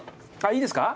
いいですか？